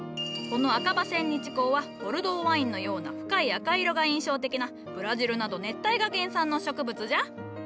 この赤葉千日紅はボルドーワインのような深い赤色が印象的なブラジルなど熱帯が原産の植物じゃ。